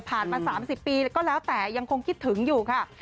มา๓๐ปีก็แล้วแต่ยังคงคิดถึงอยู่ค่ะ